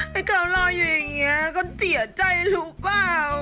ให้เขารออยู่อย่างนี้ก็เสียใจรู้เปล่า